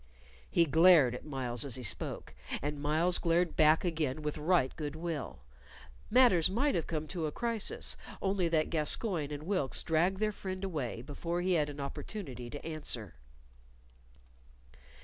He glared at Myles as he spoke, and Myles glared back again with right good will. Matters might have come to a crisis, only that Gascoyne and Wilkes dragged their friend away before he had opportunity to answer.